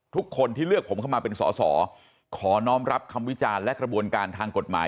ทุกคนที่เลือกผมเข้ามาเป็นสอสอขอน้องรับคำวิจารณ์และกระบวนการทางกฎหมาย